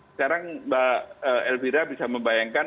sekarang mbak elvira bisa membayangkan